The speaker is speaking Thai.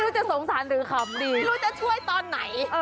จริงไม่รู้จะสงสารไม่รู้จะช่วยตอนไหน